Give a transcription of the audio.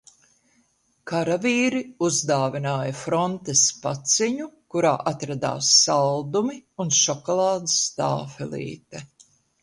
Karavīri uzdāvināja frontes paciņu, kurā atradās saldumi un šokolādes tāfelīte.